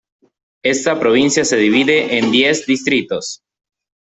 Esta provincia se divide en diez distritos.